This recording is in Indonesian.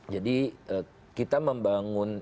jadi kita membangun